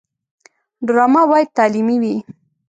ډرامه باید تعلیمي وي